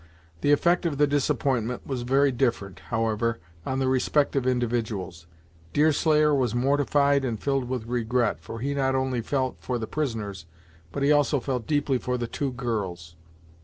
The effect of the disappointment was very different, however, on the respective individuals. Deerslayer was mortified, and filled with regret, for he not only felt for the prisoners, but he also felt deeply for the two girls.